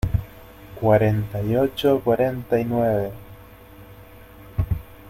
cuarenta y ocho, cuarenta y nueve.